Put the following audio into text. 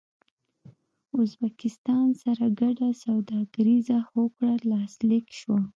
ازبکستان سره ګډه سوداګريزه هوکړه لاسلیک شوه